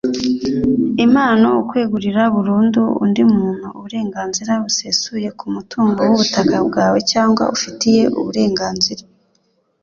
Impano: ukwegurira burundu undi muntu uburenganzira busesuye ku mutungo w’ubutaka bwawe cyangwa ufitiye uburenganzira;